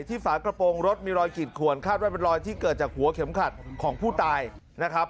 ฝากระโปรงรถมีรอยขีดขวนคาดว่าเป็นรอยที่เกิดจากหัวเข็มขัดของผู้ตายนะครับ